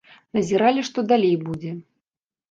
Назіралі, што далей будзе.